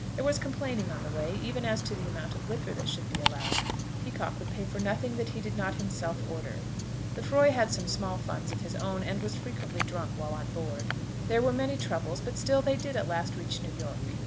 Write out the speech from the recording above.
There was complaining on the way, even as to the amount of liquor that should be allowed. Peacocke would pay for nothing that he did not himself order. Lefroy had some small funds of his own, and was frequently drunk while on board. There were many troubles; but still they did at last reach New York.